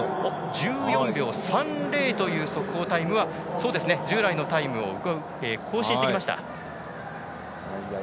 １４秒３０という速報タイムは従来のタイムを更新してきました。